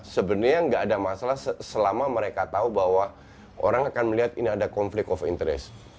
sebenarnya nggak ada masalah selama mereka tahu bahwa orang akan melihat ini ada conflict of interest